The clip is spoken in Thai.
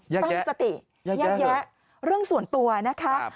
ตั้งสติแยกแยะเรื่องส่วนตัวนะคะ